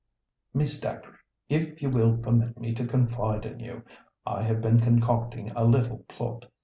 "Miss Dacre, if you will permit me to confide in you—I have been concocting a little plot.